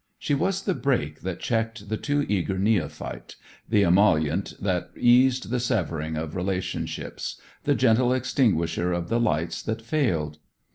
She was the brake that checked the too eager neophyte, the emollient that eased the severing of relationships, the gentle extinguisher of the lights that failed.